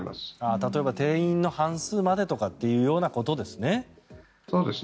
例えば、店員の半数までというようなことですね。